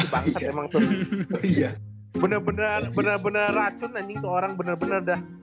banget ya iya bener bener bener bener racun anjing tuh orang bener bener dah